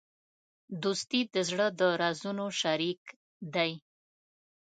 دوستي د زړه د رازونو شریک دی.